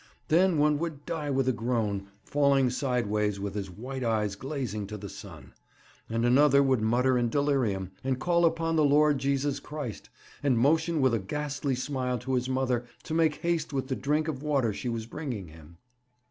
Then one would die with a groan, falling sideways with his white eyes glazing to the sun; and another would mutter in delirium, and call upon the Lord Jesus Christ, and motion with a ghastly smile to his mother to make haste with the drink of water she was bringing him.